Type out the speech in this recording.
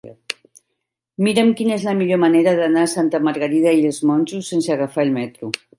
Mira'm quina és la millor manera d'anar a Santa Margarida i els Monjos sense agafar el metro.